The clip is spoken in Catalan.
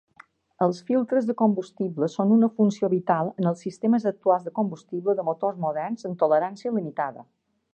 Els filtres de combustible són una funció vital en els sistemes actuals de combustible de motors moderns amb tolerància limitada.